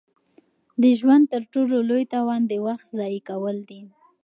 د ژوند تر ټولو لوی تاوان د وخت ضایع کول دي.